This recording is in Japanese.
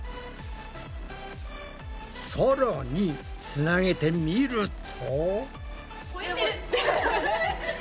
さらにつなげてみると。